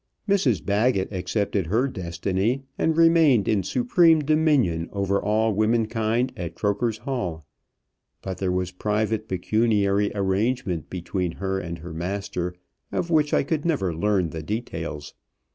Mrs Baggett accepted her destiny, and remained in supreme dominion over all women kind at Croker's Hall. But there was private pecuniary arrangement between her and her master, of which I could never learn the details.